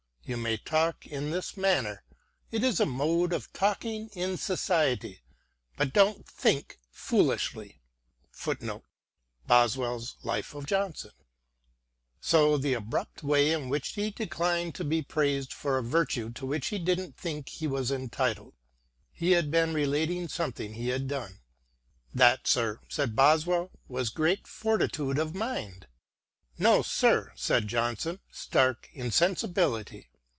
You may talk in this manner ; it is a mode of talking in society : but don't think foolishly." • So the abrupt way in which he declined to be praised for a virtue to which he didn't think he was entitled. He had been relating something he had done. "That, sir," said Boswell, "was great fortitude of mind." " No, sir," said John son, " stark insensibility."